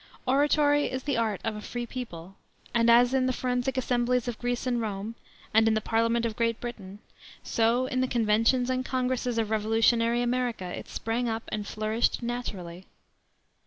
Oratory is the art of a free people, and as in the forensic assemblies of Greece and Rome, and in the Parliament of Great Britain, so in the conventions and congresses of revolutionary America it sprang up and flourished naturally.